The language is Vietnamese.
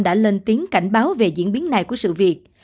đã lên tiếng cảnh báo về diễn biến này của sự việc